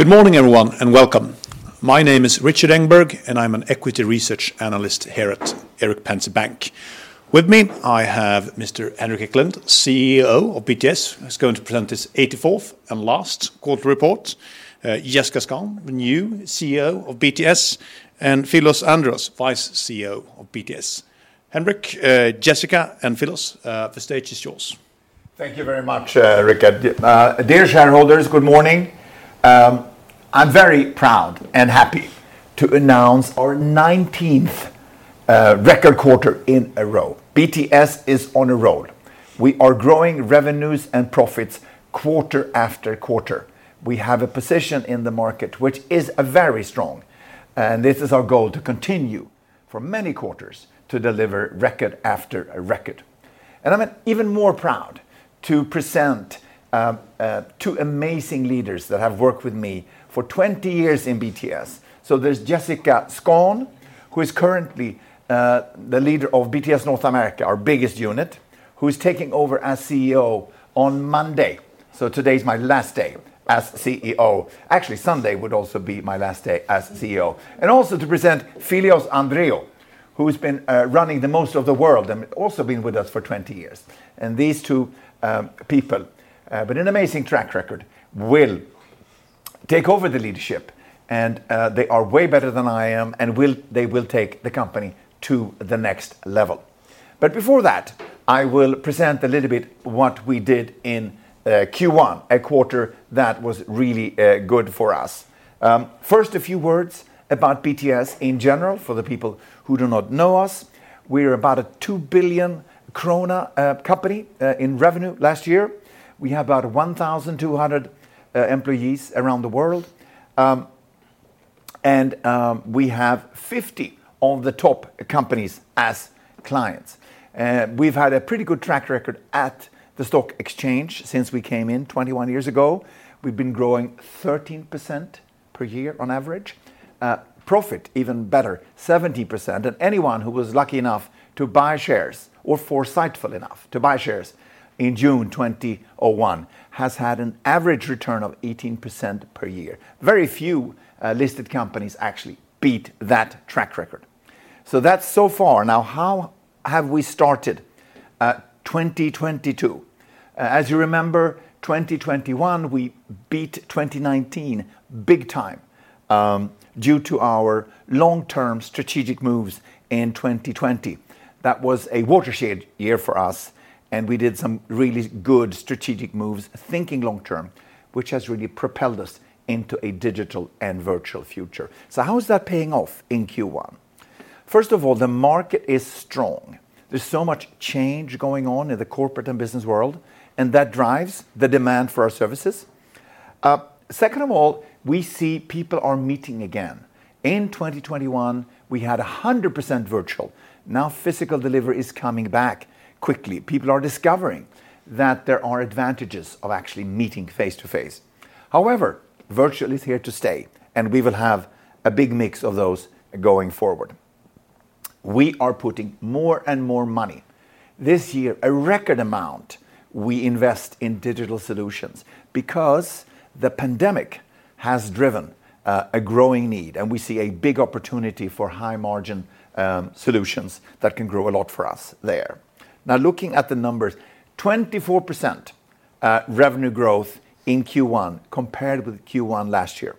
Good morning, everyone, and welcome. My name is Rikard Engberg, and I'm an equity research analyst here at Erik Penser Bank. With me, I have Mr. Henrik Ekelund, CEO of BTS, who's going to present his 84th and last quarter report, Jessica Skon, the new CEO of BTS, and Philios Andreou, Deputy CEO of BTS. Henrik, Jessica, and Philios, the stage is yours. Thank you very much, Rikard. Dear shareholders, good morning. I'm very proud and happy to announce our nineteenth record quarter in a row. BTS is on a roll. We are growing revenues and profits quarter after quarter. We have a position in the market which is very strong, and this is our goal to continue for many quarters to deliver record after record. I'm even more proud to present two amazing leaders that have worked with me for 20 years in BTS. There's Jessica Skon, who is currently the leader of BTS North America, our biggest unit, who is taking over as CEO on Monday. Today is my last day as CEO. Actually, Sunday would also be my last day as CEO. To present Philios Andreou, who has been running the most of the world and also been with us for 20 years. These two people with an amazing track record will take over the leadership, and they are way better than I am, and they will take the company to the next level. Before that, I will present a little bit what we did in Q1, a quarter that was really good for us. First, a few words about BTS in general for the people who do not know us. We're about a 2 billion krona company in revenue last year. We have about 1,200 employees around the world. We have 50 of the top companies as clients. We've had a pretty good track record at the stock exchange since we came in 21 years ago. We've been growing 13% per year on average. Profit, even better, 70%. Anyone who was lucky enough to buy shares or foresightful enough to buy shares in June 2001 has had an average return of 18% per year. Very few listed companies actually beat that track record. That's so far. Now how have we started 2022? As you remember, 2021, we beat 2019 big time, due to our long-term strategic moves in 2020. That was a watershed year for us, and we did some really good strategic moves thinking long term, which has really propelled us into a digital and virtual future. How is that paying off in Q1? First of all, the market is strong. There's so much change going on in the corporate and business world, and that drives the demand for our services. Second of all, we see people are meeting again. In 2021, we had 100% virtual. Now physical delivery is coming back quickly. People are discovering that there are advantages of actually meeting face-to-face. However, virtual is here to stay, and we will have a big mix of those going forward. We are putting more and more money. This year, a record amount we invest in digital solutions because the pandemic has driven a growing need, and we see a big opportunity for high margin solutions that can grow a lot for us there. Now looking at the numbers, 24% revenue growth in Q1 compared with Q1 last year.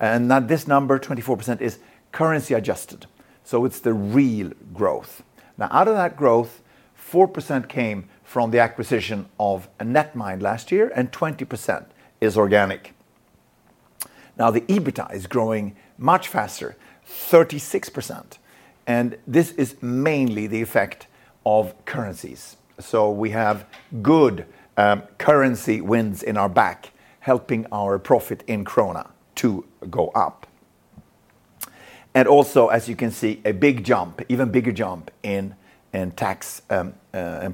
Now this number, 24%, is currency adjusted, so it's the real growth. Now out of that growth, 4% came from the acquisition of Netmind last year, and 20% is organic. Now the EBITDA is growing much faster, 36%, and this is mainly the effect of currencies. We have good currency winds in our back helping our profit in krona to go up. As you can see, a big jump, even bigger jump in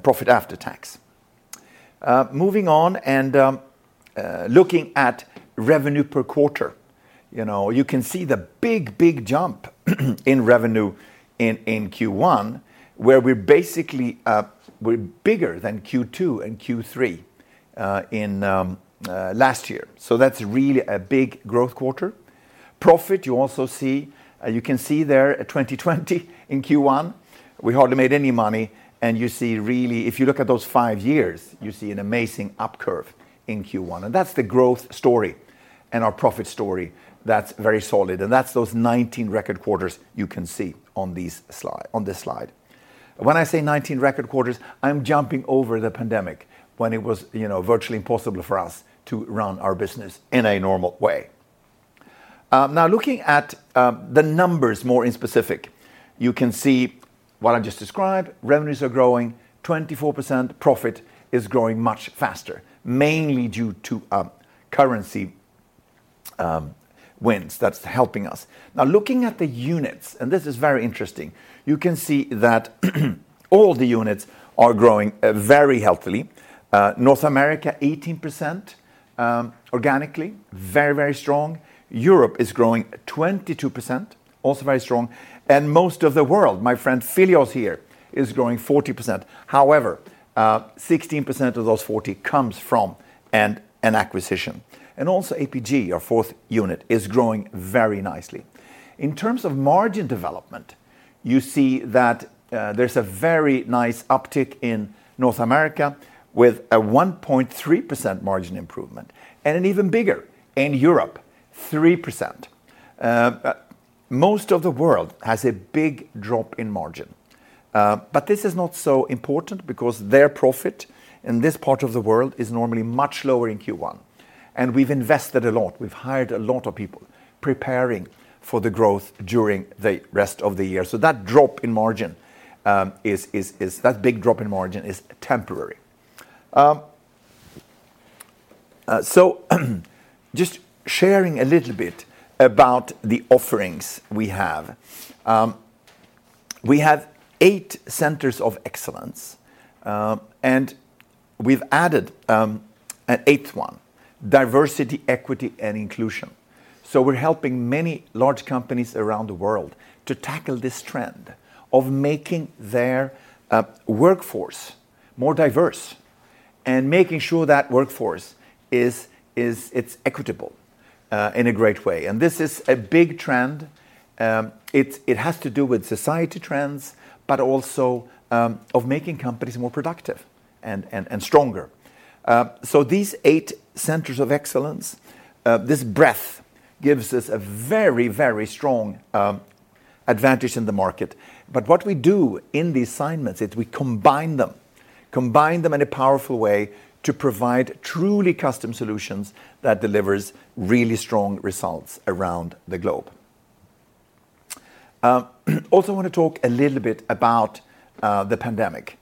profit after tax. Moving on, looking at revenue per quarter. You know, you can see the big jump in revenue in Q1, where we're bigger than Q2 and Q3 in last year. That's really a big growth quarter. Profit, you also see, you can see there 2020 in Q1, we hardly made any money, and you see really, if you look at those 5 years, you see an amazing up curve in Q1. That's the growth story and our profit story that's very solid. That's those 19 record quarters you can see on this slide. When I say 19 record quarters, I'm jumping over the pandemic when it was, you know, virtually impossible for us to run our business in a normal way. Now looking at the numbers more in specific, you can see what I just described. Revenues are growing 24%. Profit is growing much faster, mainly due to currency winds that's helping us. Now looking at the units, and this is very interesting, you can see that all the units are growing, very healthily. North America, 18% organically, very, very strong. Europe is growing 22%, also very strong, and most of the world, my friend Philios here, is growing 40%. However, 16% of those 40% comes from an acquisition. Also APG, our fourth unit, is growing very nicely. In terms of margin development, you see that, there's a very nice uptick in North America with a 1.3% margin improvement, and an even bigger in Europe, 3%. Most of the world has a big drop in margin, but this is not so important because their profit in this part of the world is normally much lower in Q1. We've invested a lot. We've hired a lot of people preparing for the growth during the rest of the year. That big drop in margin is temporary. Just sharing a little bit about the offerings we have. We have eight centers of excellence, and we've added an eighth one, diversity, equity and inclusion. We're helping many large companies around the world to tackle this trend of making their workforce more diverse and making sure that workforce is equitable in a great way. This is a big trend. It has to do with societal trends, but also of making companies more productive and stronger. These eight centers of excellence, this breadth gives us a very, very strong advantage in the market. What we do in the assignments is we combine them in a powerful way to provide truly custom solutions that delivers really strong results around the globe. Also want to talk a little bit about the pandemic.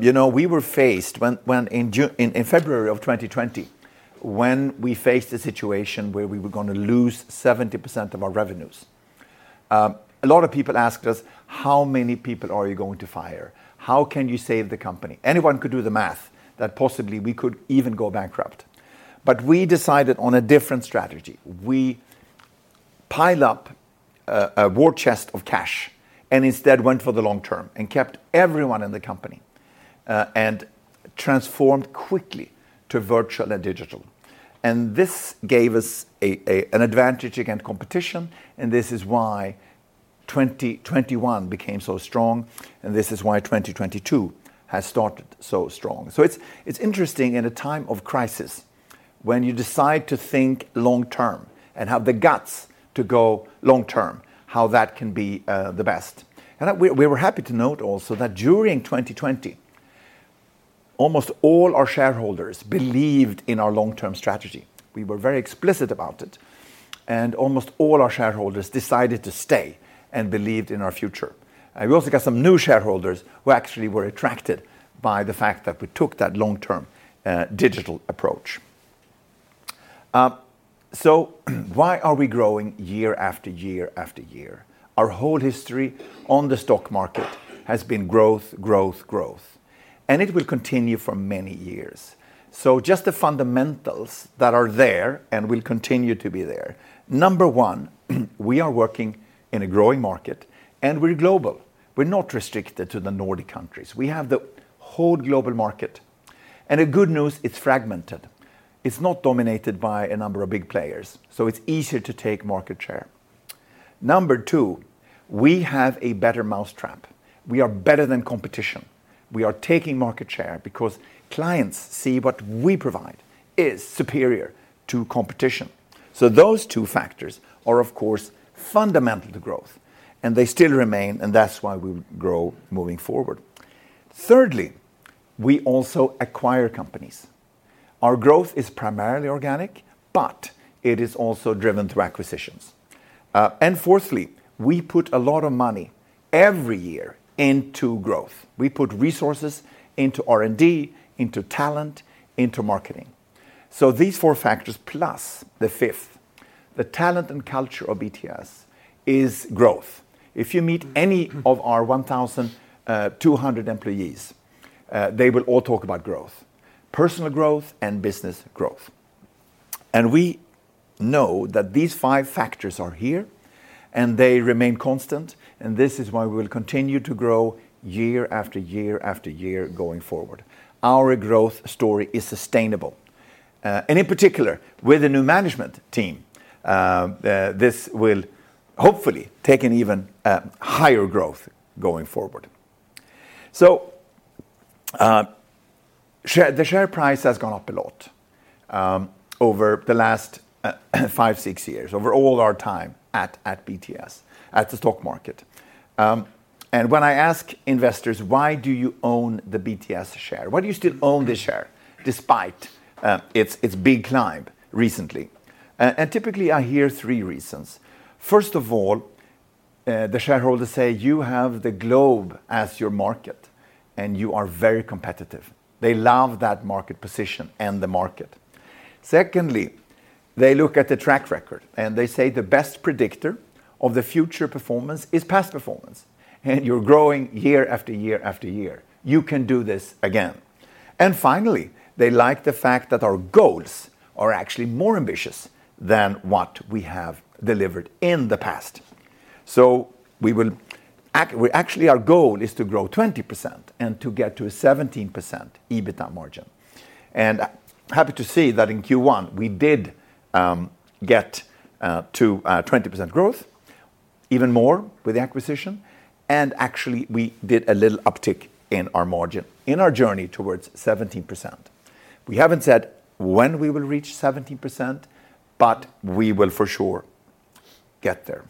You know, we were faced when in February of 2020, when we faced a situation where we were gonna lose 70% of our revenues. A lot of people asked us, "How many people are you going to fire? How can you save the company?" Anyone could do the math that possibly we could even go bankrupt. We decided on a different strategy. We piled up a war chest of cash and instead went for the long term and kept everyone in the company and transformed quickly to virtual and digital. This gave us an advantage against competition, and this is why 2021 became so strong, and this is why 2022 has started so strong. It's interesting in a time of crisis when you decide to think long term and have the guts to go long term, how that can be the best. We were happy to note also that during 2020, almost all our shareholders believed in our long-term strategy. We were very explicit about it, and almost all our shareholders decided to stay and believed in our future. We also got some new shareholders who actually were attracted by the fact that we took that long-term digital approach. Why are we growing year after year after year? Our whole history on the stock market has been growth. It will continue for many years. Just the fundamentals that are there and will continue to be there. Number one, we are working in a growing market, and we're global. We're not restricted to the Nordic countries. We have the whole global market. The good news, it's fragmented. It's not dominated by a number of big players, so it's easier to take market share. Number two, we have a better mousetrap. We are better than competition. We are taking market share because clients see what we provide is superior to competition. Those two factors are, of course, fundamental to growth, and they still remain, and that's why we will grow moving forward. Thirdly, we also acquire companies. Our growth is primarily organic, but it is also driven through acquisitions. Fourthly, we put a lot of money every year into growth. We put resources into R&D, into talent, into marketing. These four factors plus the fifth, the talent and culture of BTS, is growth. If you meet any of our 1,200 employees, they will all talk about growth, personal growth and business growth. We know that these five factors are here, and they remain constant, and this is why we will continue to grow year after year after year going forward. Our growth story is sustainable. In particular, with the new management team, this will hopefully take an even higher growth going forward. The share price has gone up a lot over the last 5-6 years, over all our time at BTS, at the stock market. When I ask investors, "Why do you own the BTS share? Why do you still own this share despite its big climb recently?" Typically I hear three reasons. First of all, the shareholders say, "You have the globe as your market, and you are very competitive." They love that market position and the market. Secondly, they look at the track record, and they say, "The best predictor of the future performance is past performance, and you're growing year after year after year. You can do this again." Finally, they like the fact that our goals are actually more ambitious than what we have delivered in the past. Actually, our goal is to grow 20% and to get to a 17% EBITDA margin. Happy to see that in Q1, we did get to 20% growth, even more with the acquisition, and actually we did a little uptick in our margin in our journey towards 17%. We haven't said when we will reach 17%, but we will for sure get there.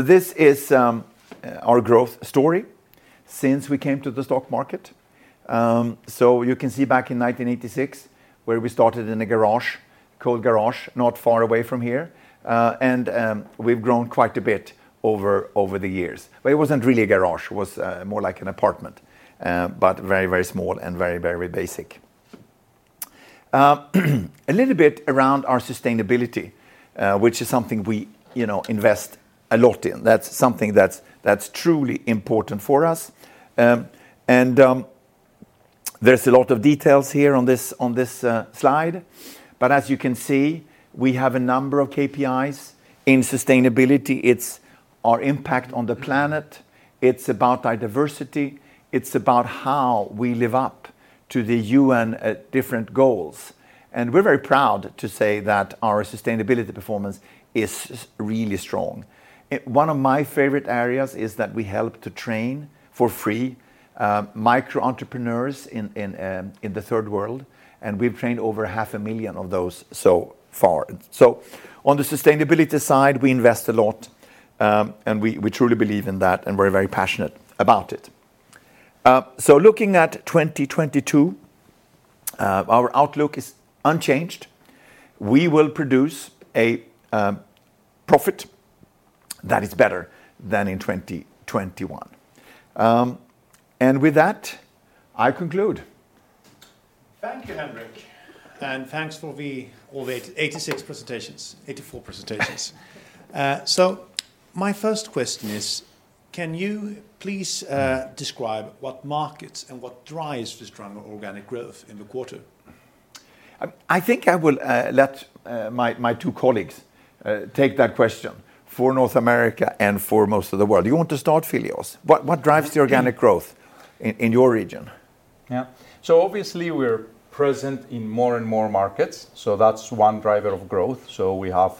This is our growth story since we came to the stock market. You can see back in 1986, where we started in a garage, cold garage, not far away from here, and we've grown quite a bit over the years. It wasn't really a garage, it was more like an apartment. Very small and very basic. A little bit around our sustainability, which is something we you know invest a lot in. That's something that's truly important for us. There's a lot of details here on this slide. As you can see, we have a number of KPIs. In sustainability, it's our impact on the planet, it's about our diversity, it's about how we live up to the UN different goals. We're very proud to say that our sustainability performance is really strong. One of my favorite areas is that we help to train, for free, micro entrepreneurs in the Third World, and we've trained over 500,000 of those so far. On the sustainability side, we invest a lot, and we truly believe in that, and we're very passionate about it. Looking at 2022, our outlook is unchanged. We will produce a profit that is better than in 2021. With that, I conclude. Thank you, Henrik. Thanks for all the 86 presentations, 84 presentations. My first question is, can you please describe what markets and what drives the strong organic growth in the quarter? I think I will let my two colleagues take that question for North America and for most of the world. You want to start, Philios? What drives the organic growth in your region? Yeah. Obviously, we're present in more and more markets, so that's one driver of growth. We have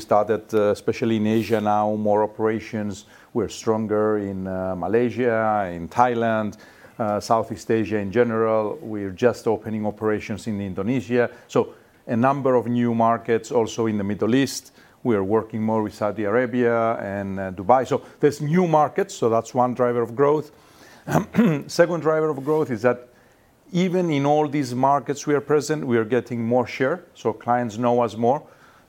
started, especially in Asia now, more operations. We're stronger in Malaysia, in Thailand, Southeast Asia in general. We're just opening operations in Indonesia. A number of new markets also in the Middle East. We are working more with Saudi Arabia and Dubai. There's new markets, so that's one driver of growth. Second driver of growth is that even in all these markets we are present, we are getting more share, clients know us more.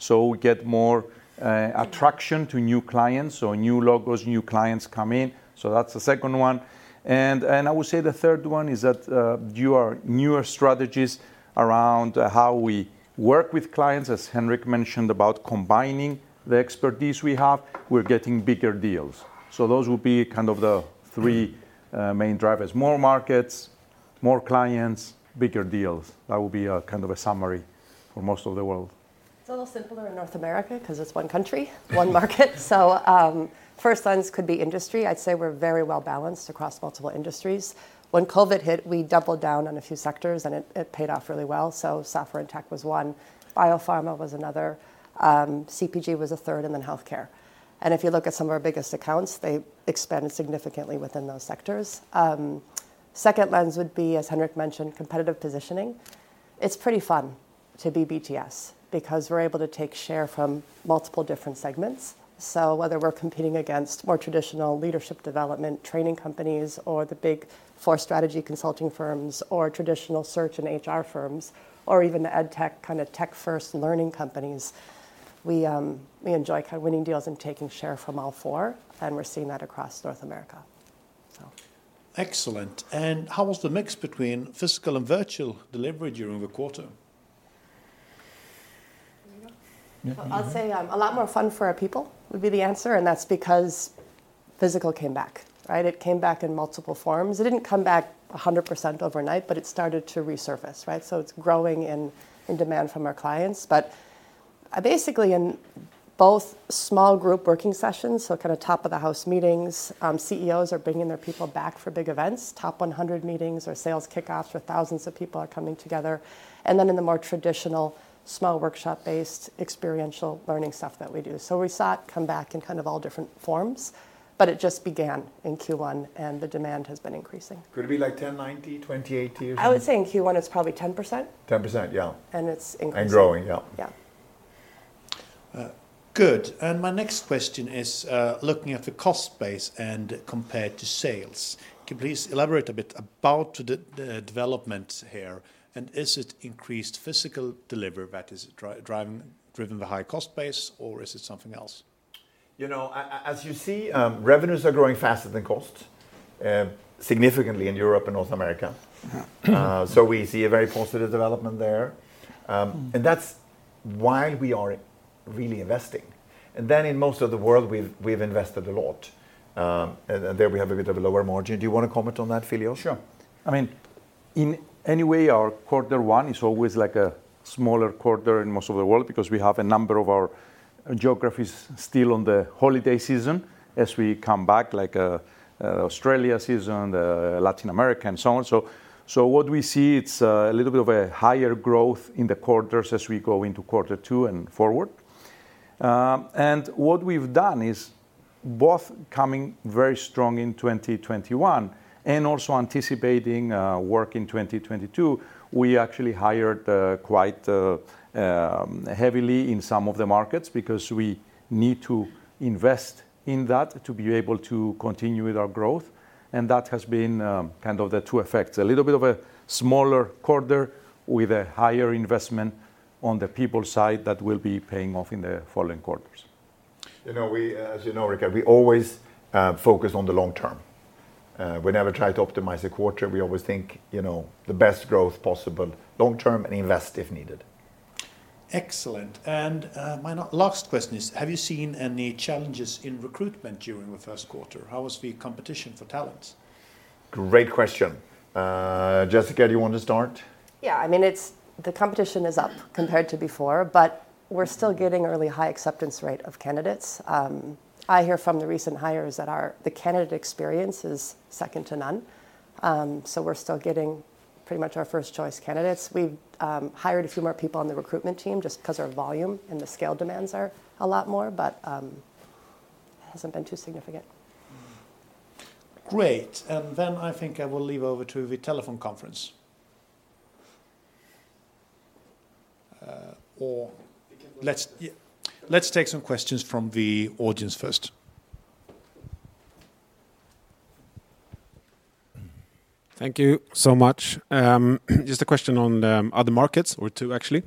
We get more attraction to new clients. New logos, new clients come in. That's the second one. I would say the third one is that your newer strategies around how we work with clients, as Henrik mentioned, about combining the expertise we have, we're getting bigger deals. Those would be kind of the three main drivers. More markets, more clients, bigger deals. That would be a kind of a summary for most of the world. It's a little simpler in North America 'cause it's one market. First ones could be industry. I'd say we're very well-balanced across multiple industries. When COVID hit, we doubled down on a few sectors, and it paid off really well. Software and tech was one, biopharma was another, CPG was a third, and then healthcare. If you look at some of our biggest accounts, they expanded significantly within those sectors. Second lens would be, as Henrik mentioned, competitive positioning. It's pretty fun to be BTS because we're able to take share from multiple different segments. Whether we're competing against more traditional leadership development training companies or the Big Four strategy consulting firms, or traditional search and HR firms, or even the edtech, kind of tech-first learning companies, we enjoy kind of winning deals and taking share from all four, and we're seeing that across North America. Excellent. How was the mix between physical and virtual delivery during the quarter? I'll say, a lot more fun for our people would be the answer, and that's because physical came back, right? It came back in multiple forms. It didn't come back 100% overnight, but it started to resurface, right? It's growing in demand from our clients. Basically, in both small group working sessions, kind of top of the house meetings, CEOs are bringing their people back for big events, top 100 meetings or sales kickoffs where thousands of people are coming together. Then in the more traditional small workshop-based experiential learning stuff that we do. We saw it come back in kind of all different forms, but it just began in Q1, and the demand has been increasing. Could it be like 10/90, 20/80 or something? I would say in Q1, it's probably 10%. 10%? Yeah. It's increasing. Good. My next question is, looking at the cost base and compared to sales, can you please elaborate a bit about the development here? Is it increased physical delivery that is driving the high cost base, or is it something else? You know, as you see, revenues are growing faster than costs, significantly in Europe and North America. Yeah. We see a very positive development there. While we are really investing. In most of the world we've invested a lot, and there we have a bit of a lower margin. Do you wanna comment on that, Philio? Sure. I mean, anyway our quarter one is always like a smaller quarter in most of the world because we have a number of our geographies still on the holiday season as we come back, like, Australian season, Latin America and so on. What we see is a little bit of a higher growth in the quarters as we go into quarter two and forward. What we've done is both coming very strong in 2021 and also anticipating work in 2022. We actually hired quite heavily in some of the markets because we need to invest in that to be able to continue with our growth, and that has been kind of the two effects. A little bit of a smaller quarter with a higher investment on the people side that will be paying off in the following quarters. You know, we, as you know, Rikard, we always focus on the long term. We never try to optimize a quarter. We always think, you know, the best growth possible long term and invest if needed. Excellent. My last question is, have you seen any challenges in recruitment during the first quarter? How was the competition for talents? Great question. Jessica, do you want to start? Yeah. I mean, the competition is up compared to before, but we're still getting a really high acceptance rate of candidates. I hear from the recent hires that the candidate experience is second to none. We're still getting pretty much our first choice candidates. We've hired a few more people on the recruitment team just 'cause our volume and the scale demands are a lot more, but it hasn't been too significant. Great. I think I will hand over to the telephone conference. Yeah. Let's take some questions from the audience first. Thank you so much. Just a question on other markets or two actually.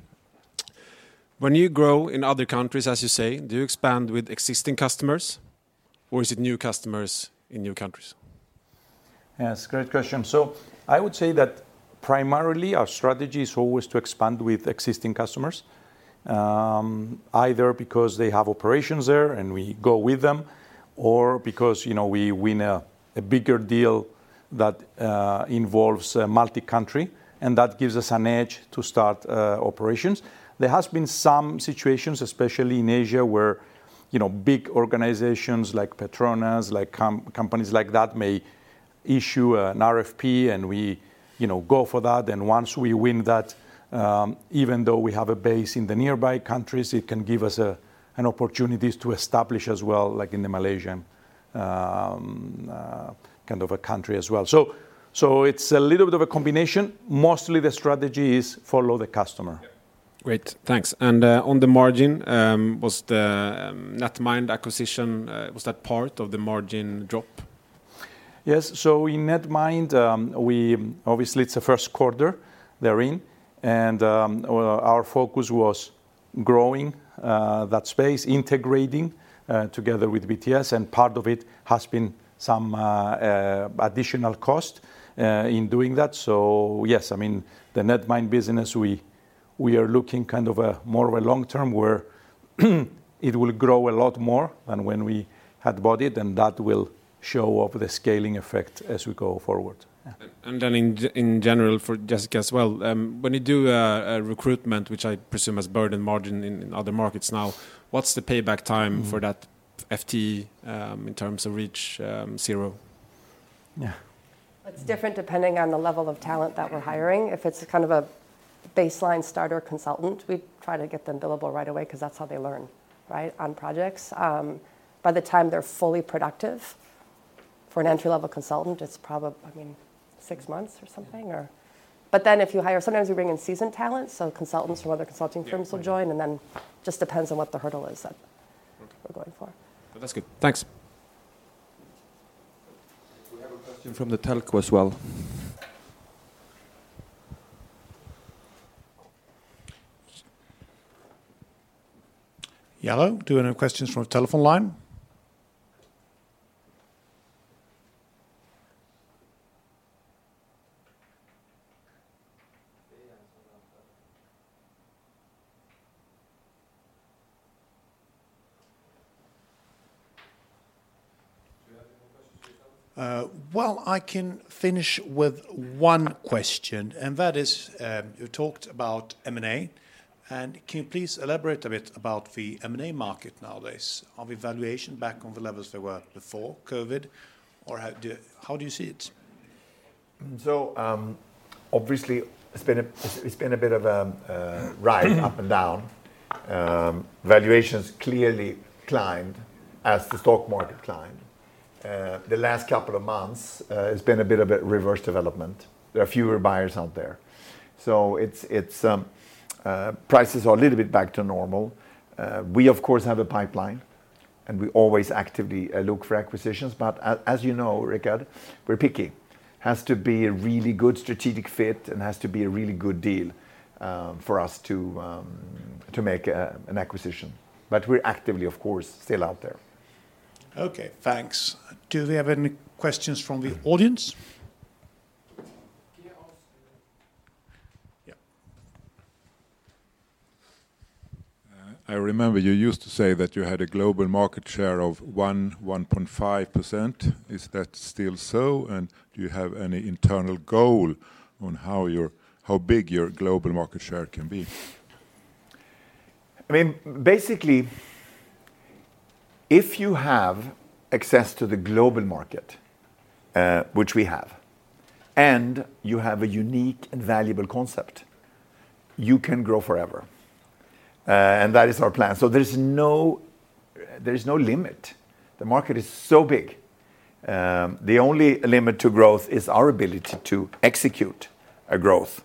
When you grow in other countries, as you say, do you expand with existing customers or is it new customers in new countries? Yes. Great question. I would say that primarily our strategy is always to expand with existing customers, either because they have operations there and we go with them or because, you know, we win a bigger deal that involves multi-country, and that gives us an edge to start operations. There has been some situations, especially in Asia, where, you know, big organizations like Petronas, like companies like that may issue an RFP and we, you know, go for that. Once we win that, even though we have a base in the nearby countries, it can give us opportunities to establish as well, like in the Malaysian kind of a country as well. It's a little bit of a combination. Mostly the strategy is follow the customer. Great. Thanks. On the margin, was the Netmind acquisition, was that part of the margin drop? Yes. In Netmind, obviously it's the first quarter they're in, and our focus was growing that space, integrating together with BTS, and part of it has been some additional cost in doing that. Yes, I mean, the Netmind business, we are looking kind of a more of a long term where it will grow a lot more than when we had bought it, and that will show off the scaling effect as we go forward. In general for Jessica as well, when you do a recruitment, which I presume is burdened margin in other markets now, what's the payback time for that FTE in terms of breakeven? Yeah. It's different depending on the level of talent that we're hiring. If it's kind of a baseline starter consultant, we try to get them billable right away because that's how they learn, right? On projects. By the time they're fully productive for an entry-level consultant, I mean, six months or something. If you hire, sometimes we bring in seasoned talent, so consultants from other consulting firms will join, and then just depends on what the hurdle. Is that we're going for that's good. Thanks. We have a question from the telco as well. Hello, do we have any questions from the telephone line? Do you have any more questions for telephone? Well, I can finish with one question, and that is, you talked about M&A, and can you please elaborate a bit about the M&A market nowadays? Are valuations back on the levels they were before COVID, or how do you see it? Obviously it's been a bit of a ride up and down. Valuations clearly climbed as the stock market climbed. The last couple of months has been a bit of a reverse development. There are fewer buyers out there. Prices are a little bit back to normal. We of course have a pipeline, and we always actively look for acquisitions. As you know, Rikard, we're picky. Has to be a really good strategic fit and has to be a really good deal for us to make an acquisition. We're actively, of course, still out there. Okay. Thanks. Do we have any questions from the audience? I remember you used to say that you had a global market share of 1-1.5%. Is that still so? Do you have any internal goal on how big your global market share can be? I mean, basically, if you have access to the global market, which we have, and you have a unique and valuable concept, you can grow forever. That is our plan. There is no limit. The market is so big. The only limit to growth is our ability to execute a growth.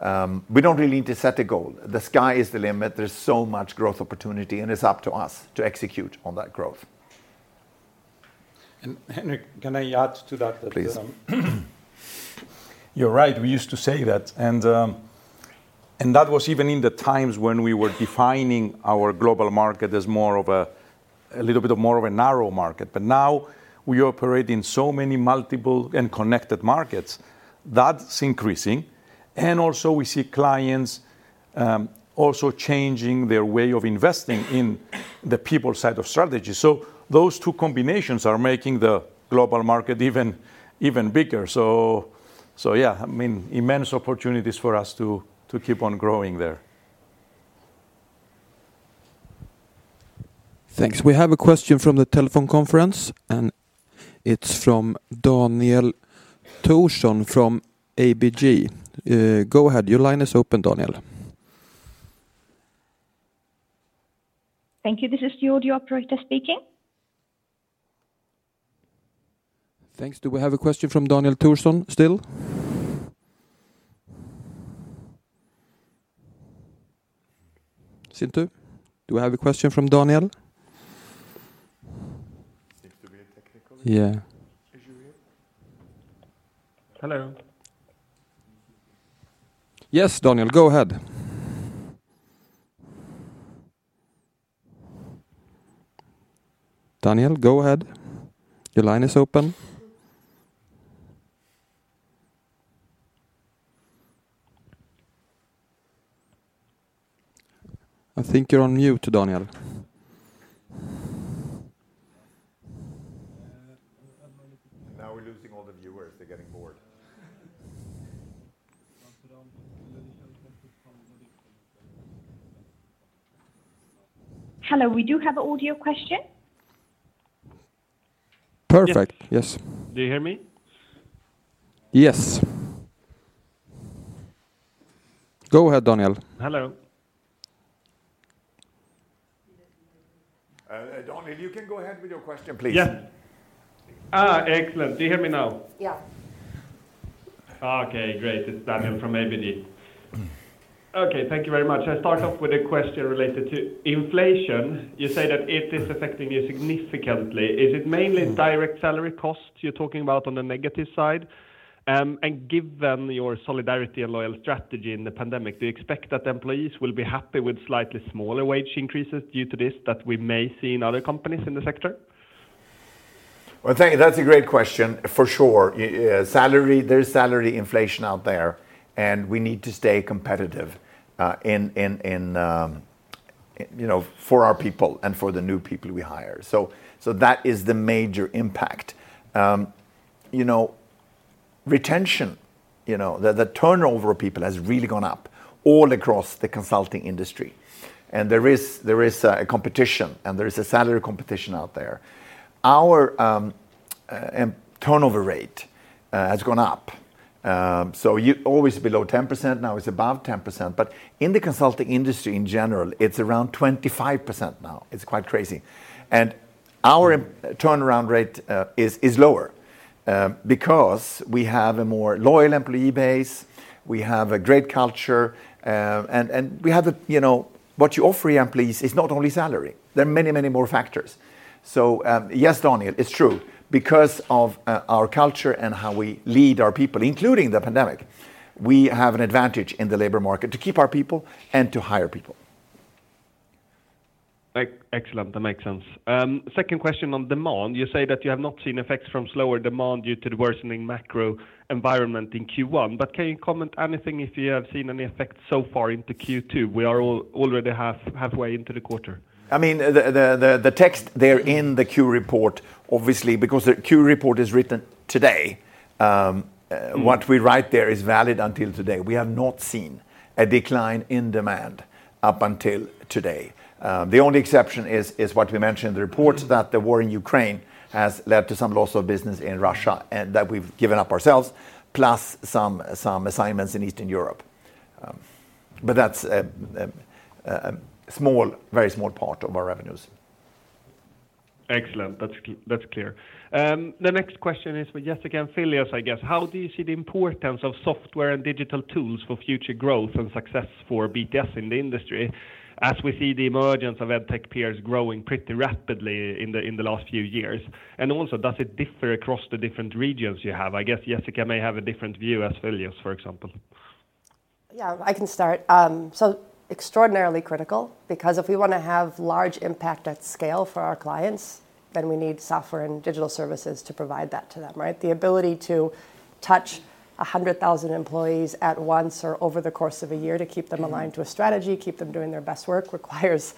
We don't really need to set a goal. The sky is the limit. There's so much growth opportunity, and it's up to us to execute on that growth. Henrik, can I add to that? Please.You're right. We used to say that. That was even in the times when we were defining our global market as more of a little bit more of a narrow market. Now we operate in so many multiple and connected markets. That's increasing. We also see clients changing their way of investing in the people side of strategy. Those two combinations are making the global market even bigger. Yeah. I mean, immense opportunities for us to keep on growing there. Thanks. We have a question from the telephone conference, and it's from Daniel Thorsson from ABG. Go ahead. Your line is open, Daniel. Thank you. This is the audio operator speaking. Thanks. Do we have a question from Daniel Thorsson still? Cintoo, do we have a question from Daniel? Seems to be a technical Issue here. Hello. Yes, Daniel, go ahead. Your line is open. I think you're on mute, Daniel. Now we're losing all the viewer are getting bored Hello, we do have audio question. Perfect. Yes.Do you hear me? Hello. Daniel, you can go ahead with your question, please. Yeah. Excellent. Do you hear me now? Yeah. Okay, great. It's Daniel from ABG. Okay, thank you very much. I start off with a question related to inflation. You say that it is affecting you significantly. Is it mainly direct salary costs you're talking about on the negative side? Given your solidarity and loyal strategy in the pandemic, do you expect that the employees will be happy with slightly smaller wage increases due to this that we may see in other companies in the sector? Well, thank you. That's a great question. For sure, yes, salary, there's salary inflation out there, and we need to stay competitive for our people and for the new people we hire. That is the major impact. You know, retention, you know, the turnover of people has really gone up all across the consulting industry. There is a competition, and there is a salary competition out there. Our turnover rate has gone up. Always below 10%, now it's above 10%. In the consulting industry in general, it's around 25% now. It's quite crazy. Our turnover rate is lower because we have a more loyal employee base, we have a great culture, and we have a, you know. What you offer employees is not only salary, there are many, many more factors. Yes, Daniel, it's true. Because of our culture and how we lead our people, including the pandemic, we have an advantage in the labor market to keep our people and to hire people. Excellent. That makes sense. Second question on demand. You say that you have not seen effects from slower demand due to the worsening macro environment in Q1. Can you comment anything if you have seen any effects so far into Q2? We are already halfway into the quarter. I mean, the text there in the Q report, obviously, because the Q report is written today, what we write there is valid until today. We have not seen a decline in demand up until today. The only exception is what we mentioned in the reports that the war in Ukraine has led to some loss of business in Russia, and that we've given up ourselves, plus some assignments in Eastern Europe. That's a very small part of our revenues. Excellent. That's clear. The next question is for Jessica and Philios, I guess. How do you see the importance of software and digital tools for future growth and success for BTS in the industry as we see the emergence of edtech peers growing pretty rapidly in the last few years? Does it differ across the different regions you have? I guess Jessica may have a different view as Philios, for example. Yeah, I can start. Extraordinarily critical because if we wanna have large impact at scale for our clients, then we need software and digital services to provide that to them, right? The ability to touch 100,000 employees at once or over the course of a year to keep them aligned to a strategy, keep them doing their best work requires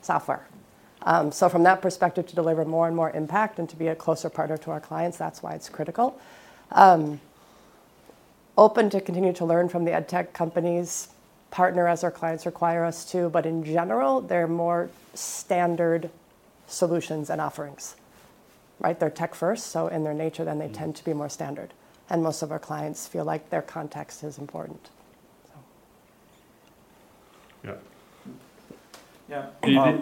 software. From that perspective, to deliver more and more impact and to be a closer partner to our clients, that's why it's critical. Open to continue to learn from the edtech companies, partner as our clients require us to, but in general, they're more standard solutions and offerings, right? They're tech first, so in their nature then they tend to be more standard, and most of our clients feel like their context is important.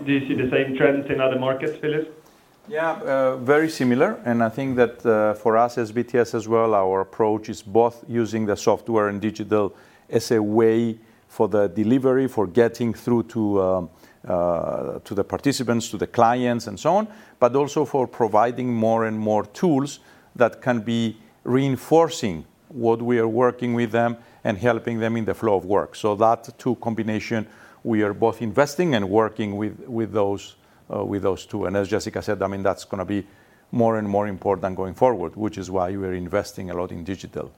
Do you see the same trends in other markets, Philios? Yeah. Very similar. I think that, for us as BTS as well, our approach is both using the software and digital as a way for the delivery, for getting through to the participants, to the clients, and so on, but also for providing more and more tools that can be reinforcing what we are working with them and helping them in the flow of work. That two combination, we are both investing and working with those two. As Jessica said, I mean, that's gonna be more and more important going forward, which is why we're investing a lot in digital.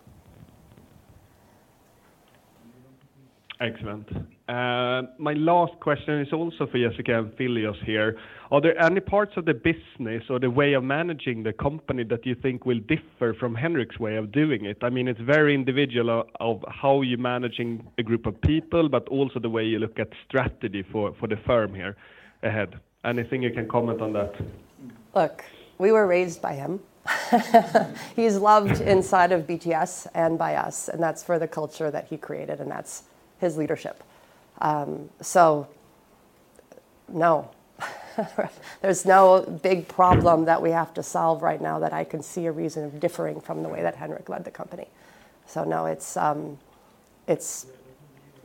Excellent. My last question is also for Jessica and Philios here. Are there any parts of the business or the way of managing the company that you think will differ from Henrik's way of doing it? I mean, it's very individual of how you're managing a group of people, but also the way you look at strategy for the firm here ahead. Anything you can comment on that? Look, we were raised by him. He's loved inside of BTS and by us, and that's for the culture that he created, and that's his leadership. No, there's no big problem that we have to solve right now that I can see a reason of differing from the way that Henrik led the company. No, it's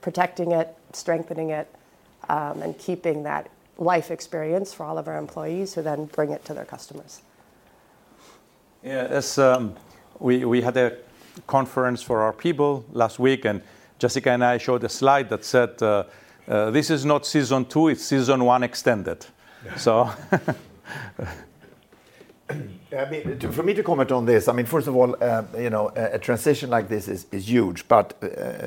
protecting it, strengthening it, and keeping that life experience for all of our employees who then bring it to their customers. Yeah. As we had a conference for our people last week, and Jessica and I showed a slide that said, "This is not season two, it's season one extended.". I mean, for me to comment on this, I mean, first of all, you know, a transition like this is huge, but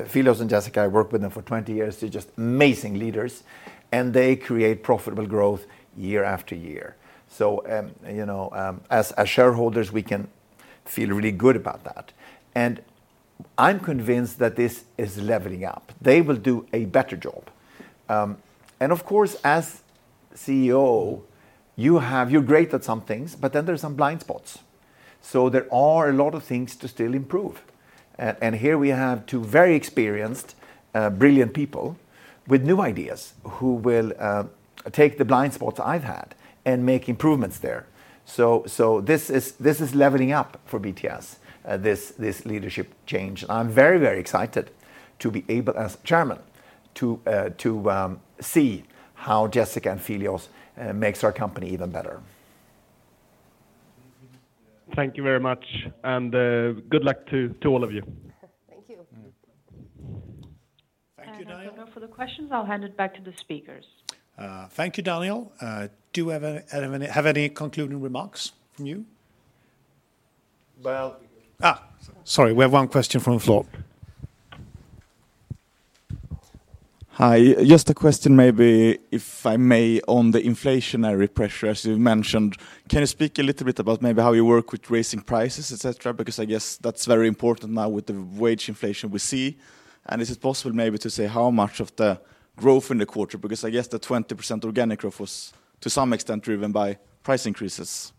Philios and Jessica, I worked with them for 20 years, they're just amazing leaders and they create profitable growth year after year. You know, as shareholders, we can feel really good about that. I'm convinced that this is leveling up. They will do a better job. Of course, as CEO, you're great at some things, but then there's some blind spots. There are a lot of things to still improve. Here we have two very experienced, brilliant people with new ideas who will take the blind spots I've had and make improvements there. This is leveling up for BTS, this leadership change. I'm very, very excited to be able, as chairman, to see how Jessica Skon and Philios Andreou makes our company even better. Thank you very much, and good luck to all of you. Thank you. Thank you, Daniel. If there are no further questions, I'll hand it back to the speakers. Thank you, Daniel. Do you have any concluding remarks from you? Sorry, we have one question from the floor. Hi. Just a question maybe, if I may, on the inflationary pressure, as you mentioned. Can you speak a little bit about maybe how you work with raising prices, et cetera? Because I guess that's very important now with the wage inflation we see. Is it possible maybe to say how much of the growth in the quarter? Because I guess the 20% organic growth was to some extent driven by price increases.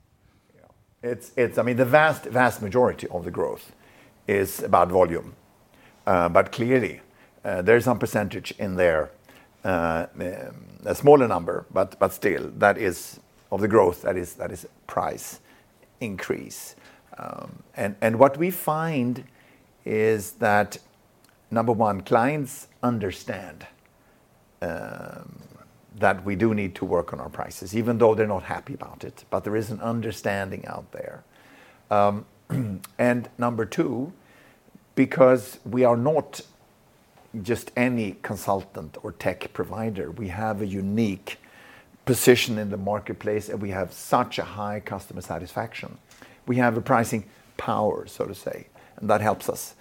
Yeah. It's I mean, the vast majority of the growth is about volume. But clearly, there is some percentage in there, a smaller number, but still, that is of the growth, that is price increase. What we find is that, number one, clients understand that we do need to work on our prices, even though they're not happy about it. There is an understanding out there. Number two, because we are not just any consultant or tech provider, we have a unique position in the marketplace, and we have such a high customer satisfaction. We have a pricing power, so to say, and that helps us.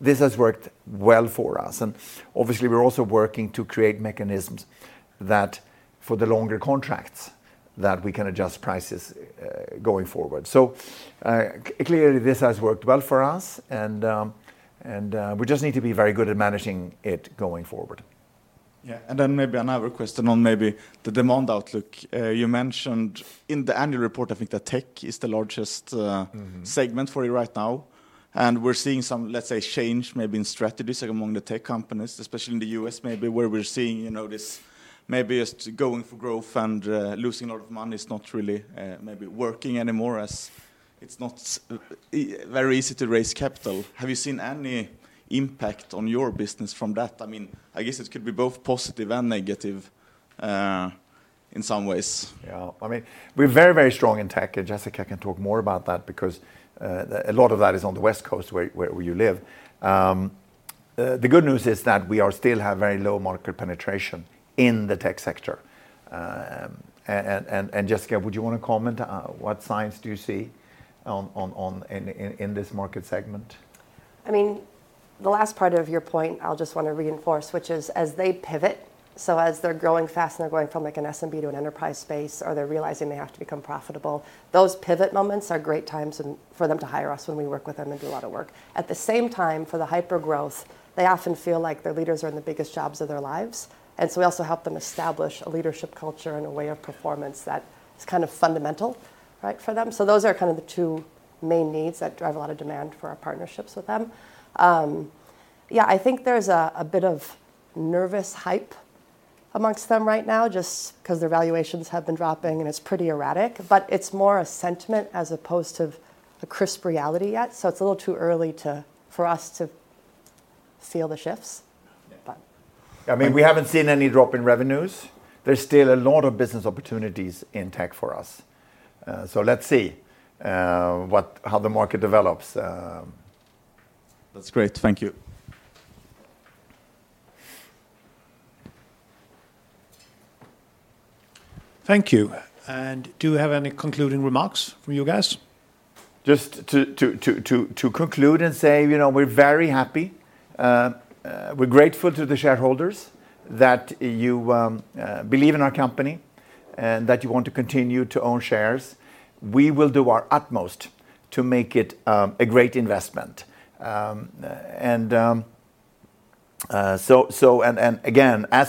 This has worked well for us. Obviously, we're also working to create mechanisms that for the longer contracts that we can adjust prices, going forward. Clearly, this has worked well for us and we just need to be very good at managing it going forward. Maybe another question on maybe the demand outlook. You mentioned in the annual report, I think that tech is the largest segment for you right now. We're seeing some, let's say, change maybe in strategies among the tech companies, especially in the US, maybe where we're seeing, you know, this maybe is going for growth and, losing a lot of money is not really, maybe working anymore as it's not very easy to raise capital. Have you seen any impact on your business from that? I mean, I guess it could be both positive and negative. In some ways. Yeah. I mean, we're very, very strong in tech, and Jessica can talk more about that because a lot of that is on the West Coast where you live. The good news is that we still have very low market penetration in the tech sector. Jessica, would you wanna comment on what signs do you see in this market segment? I mean, the last part of your point, I'll just wanna reinforce, which is as they pivot, so as they're growing fast and they're going from like an SMB to an enterprise space, or they're realizing they have to become profitable, those pivot moments are great times and for them to hire us when we work with them and do a lot of work. At the same time, for the hyper-growth, they often feel like their leaders are in the biggest jobs of their lives, and so we also help them establish a leadership culture and a way of performance that is kind of fundamental, right, for them. Those are kind of the two main needs that drive a lot of demand for our partnerships with them. Yeah, I think there's a bit of nervous hype among them right now just 'cause their valuations have been dropping, and it's pretty erratic, but it's more a sentiment as opposed to a crisp reality yet. It's a little too early for us to feel the shifts. I mean, we haven't seen any drop in revenues. There's still a lot of business opportunities in tech for us. Let's see how the market develops. That's great. Thank you. Thank you. Do you have any concluding remarks from you guys? Just to conclude and say, you know, we're very happy. We're grateful to the shareholders that you believe in our company and that you want to continue to own shares. We will do our utmost to make it a great investment. Again, as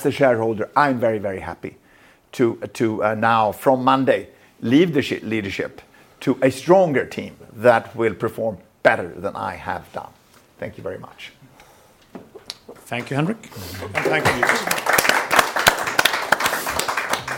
a shareholder, I'm very, very happy to now from Monday leave the leadership to a stronger team that will perform better than I have done. Thank you very much. Thank you, Henrik. Thank you.